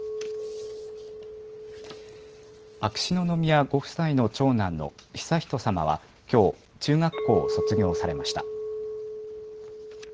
秋篠宮ご夫妻の長男の悠仁さまはきょう中学校を卒業されました。